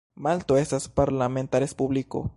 Malto estas parlamenta respubliko.